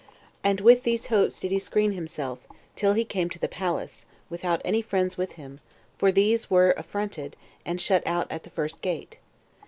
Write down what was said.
5. And with these hopes did he screen himself, till he came to the palace, without any friends with him; for these were affronted, and shut out at the first gate.